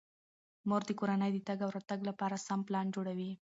مور د کورنۍ د تګ او راتګ لپاره سم پلان جوړوي.